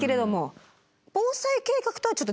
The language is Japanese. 防災計画とはちょっと違う？